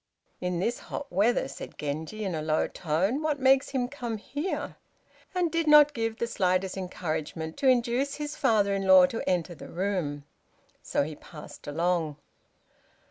"In this hot weather," said Genji, in a low tone, "what makes him come here?" and did not give the slightest encouragement to induce his father in law to enter the room; so he passed along.